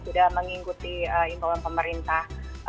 sudah mengikuti imbalan pemerintah